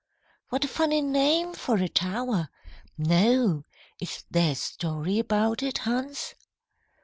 "What a funny name for a tower! No. Is there a story about it, Hans?"